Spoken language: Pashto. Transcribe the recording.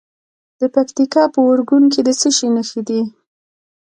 د پکتیکا په اورګون کې د څه شي نښې دي؟